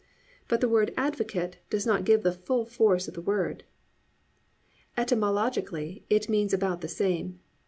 "+ But the word "Advocate" does not give the full force of the word. Etymologically it means about the same.